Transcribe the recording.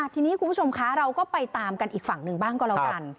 ทีนี้คุณผู้ชมคะเราก็ไปตามกันอีกฝั่งหนึ่งบ้างก็แล้วกัน